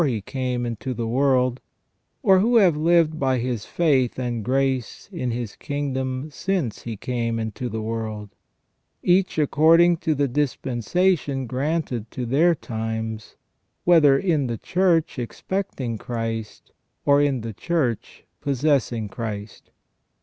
He came into the world, or who have lived by His faith and grace in His kingdom since He came into the world j each according to the dispensation granted to their times, whether in the Church expecting Christ, or in the Church possessing Christ.